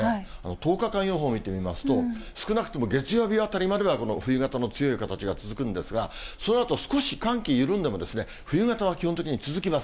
１０日間予報見てみますと、少なくとも月曜日あたりまではこの冬型の強い形が続くんですが、そのあと、少し寒気緩んでも、冬型は基本的に続きます。